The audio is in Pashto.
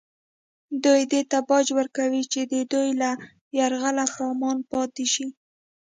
دوی دې ته باج ورکوي چې د دوی له یرغله په امان پاتې شي